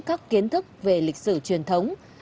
các kiến thức về lịch sử truyền thống